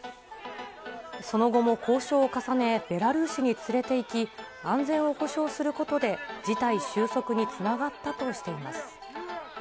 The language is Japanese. その後も交渉を重ね、ベラルーシに連れていき、安全を保証することで事態収束につながったとしています。